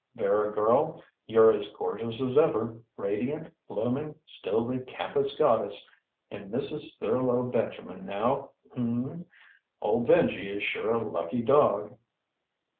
"Vera, girl. You're as gorgeous as ever, radiant, blooming, still the campus goddess. And Mrs. Thurlow Benjamin now, hm m? Old Benji is sure a lucky dog."